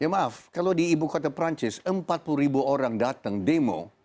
maaf kalau di ibu kota perancis empat puluh ribu orang datang demo